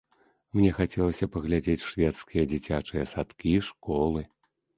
Мне хацелася паглядзець шведскія дзіцячыя садкі, школы.